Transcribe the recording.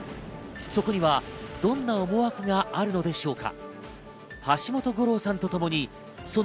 そこにはどんな思惑があるのでしょうか。